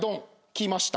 きました。